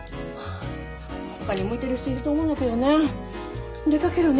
ほかに向いてる人いると思うんだけどね。